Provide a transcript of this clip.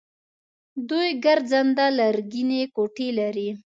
دوی ګرځنده لرګینې کوټې لري.